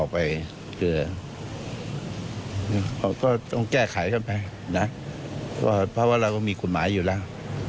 เพราะเราก็มีคุณหมายอยู่แล้ว